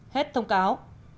hết thông cáo